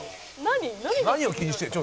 「何を気にしてる？